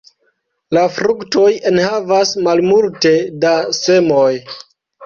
La fruktoj enhavas malmulte da semoj.